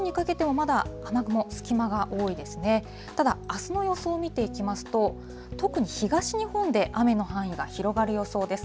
ただ、あすの予想見ていきますと、特に東日本で雨の範囲が広がる予想です。